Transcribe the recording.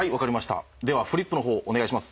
ではフリップの方お願いします。